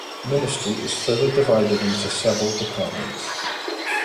Ministry is further divided into several departments.